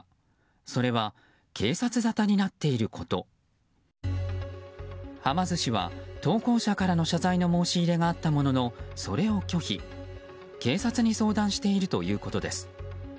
それは警察沙汰になっていること。はま寿司は、投稿者からの謝罪の申し入れがあったもののそれを拒否、警察に相談しているということです。